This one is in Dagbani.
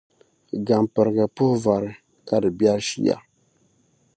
Gampiriga puhi vari ka di biɛri shia.